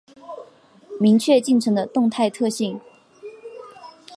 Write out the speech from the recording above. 明确进程的动态特性